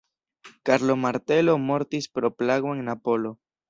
Karlo Martelo mortis pro plago en Napolo.